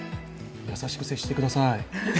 優しく接してください。